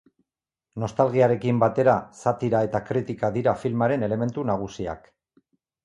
Nostalgiarekin batera satira eta kritika dira filmaren elementu nagusiak.